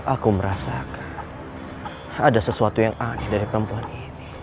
aku merasakan ada sesuatu yang aneh dari pembunuh ini